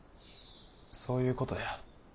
そういうことや。